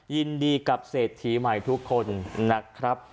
ยินดีกับเศรษฐีใหม่ทุกคนนะครับ